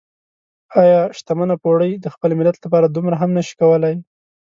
ايا شتمنه پوړۍ د خپل ملت لپاره دومره هم نشي کولای؟